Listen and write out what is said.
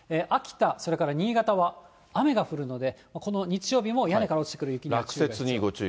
秋田、それから新潟は雨が降るので、この日曜日も、屋根から落ちてくる雪に。